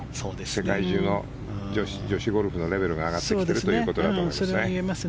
世界中の女子ゴルフのレベルが上がってきているということだと思います。